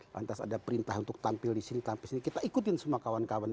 lantas ada perintah untuk tampil di sini tampil sini kita ikutin semua kawan kawan